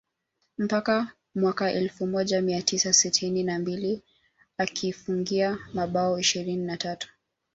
mpaka mwaka elfu moja mia tisa sitini na mbili akiifungia mabao ishirini na tatu